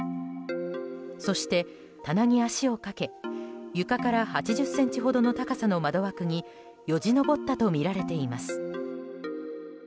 そして、棚に足をかけ、床から８０ｃｍほどの高さの窓枠によじ登ったとみられています。